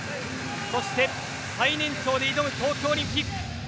そして、最年長で挑む東京オリンピック。